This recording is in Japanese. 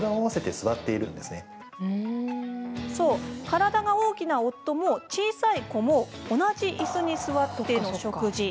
体が大きな夫も、小さい子も同じいすに座っての食事。